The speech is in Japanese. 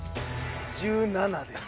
１７です